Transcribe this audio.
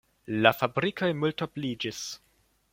La fabrikoj multobliĝis.